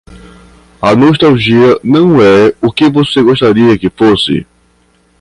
A nostalgia não é o que você gostaria que fosse.